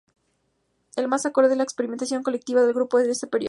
Es más acorde con la experimentación colectiva del grupo en ese período.